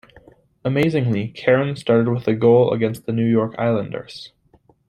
Amazingly, Cairns started with a goal against the New York Islanders.